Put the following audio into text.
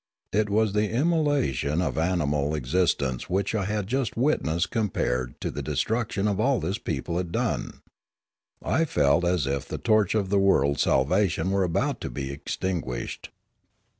What was the immolation of animal exist ence which I had just witnessed compared to the de struction of all this people had done ? I felt as if the torch of the world's salvation were about to be extin guished.